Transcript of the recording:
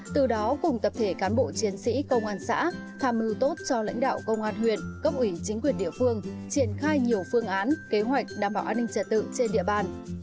từ đó cùng tập thể cán bộ chiến sĩ công an xã tham mưu tốt cho lãnh đạo công an huyện cấp ủy chính quyền địa phương triển khai nhiều phương án kế hoạch đảm bảo an ninh trật tự trên địa bàn